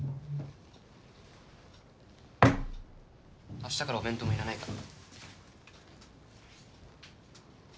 明日からお弁当もいらないから。